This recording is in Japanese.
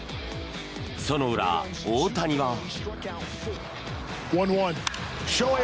その裏、大谷は。